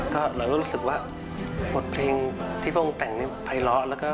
เรารู้สึกว่าบทเพลงที่พระองค์แต่งนี้ภายล้อ